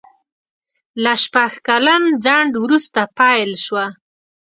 له شپږ کلن ځنډ وروسته پېل شوه.